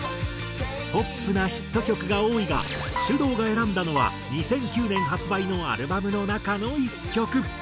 ポップなヒット曲が多いがｓｙｕｄｏｕが選んだのは２００９年発売のアルバムの中の１曲。